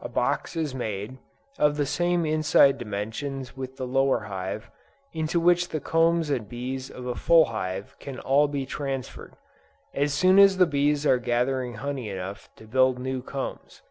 A box is made, of the same inside dimensions with the lower hive, into which the combs and bees of a full hive can all be transferred, as soon as the bees are gathering honey enough to build new combs.